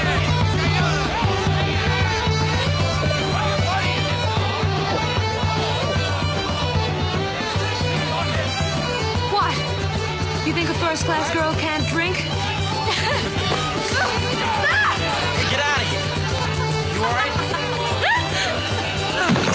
大丈夫よ。